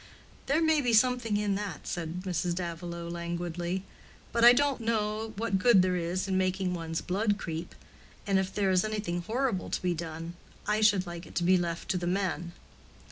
"There may be something in that," said Mrs. Davilow, languidly. "But I don't know what good there is in making one's blood creep. And if there is anything horrible to be done, I should like it to be left to the men."